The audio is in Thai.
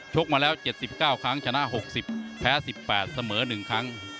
กมาแล้ว๗๙ครั้งชนะ๖๐แพ้๑๘เสมอ๑ครั้ง